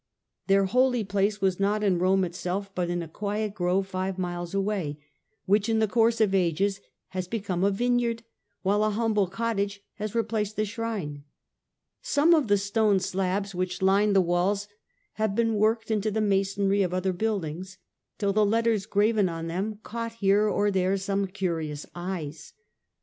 Their holy place was not in Rome itself, but in a quiet grove five miles away, which in the course of ages has become a vineyard, while a humble cottage has replaced the shrine. Some of the stone slabs which lined the walls have been worked into the masonry of other buildings, till the letters graven on them have caught here or there some curious eyes.